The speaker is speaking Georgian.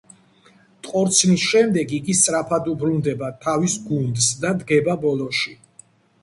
ტყორცნის შემდეგ იგი სწრაფად უბრუნდება თავის გუნდს და დგება ბოლოში.